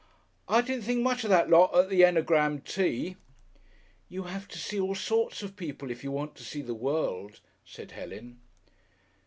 "I didn't think much of that lot at the Enegram Tea." "You have to see all sorts of people if you want to see the world," said Helen.